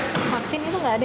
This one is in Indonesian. kita gak ini kan vaksin